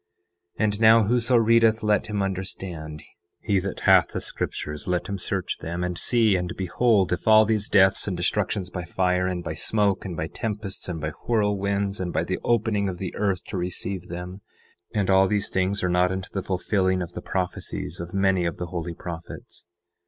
10:14 And now, whoso readeth, let him understand; he that hath the scriptures, let him search them, and see and behold if all these deaths and destructions by fire, and by smoke, and by tempests, and by whirlwinds, and by the opening of the earth to receive them, and all these things are not unto the fulfilling of the prophecies of many of the holy prophets.